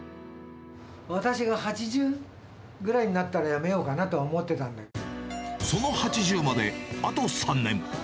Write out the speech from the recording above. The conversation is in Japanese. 私が８０ぐらいになったらやめようかなとは思ってたんだけど。